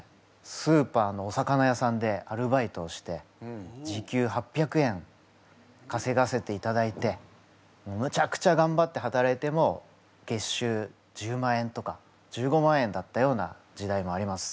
スーパーのお魚屋さんでアルバイトをして時給８００円かせがせていただいてむちゃくちゃがんばって働いても月収１０万円とか１５万円だったような時代もあります。